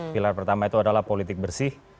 pilar pertama itu adalah politik bersih